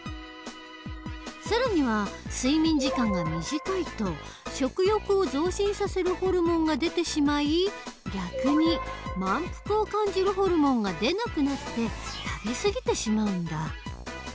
更には睡眠時間が短いと食欲を増進させるホルモンが出てしまい逆に満腹を感じるホルモンが出なくなって食べすぎてしまうんだ。